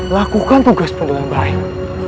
lakukan tugas benar baik